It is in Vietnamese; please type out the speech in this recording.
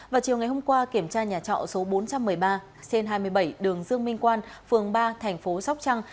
vào chiều ngày hôm qua kiểm tra nhà trọ số bốn trăm một mươi ba xên hai mươi bảy đường dương minh quan phường ba thành phố sóc trăng